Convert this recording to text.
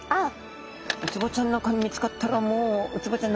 ウツボちゃんなんかに見つかったらもうウツボちゃんの思うつぼだ。